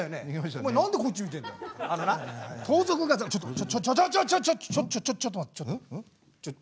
ちょっとちょちょちょちょっと待ってちょっと。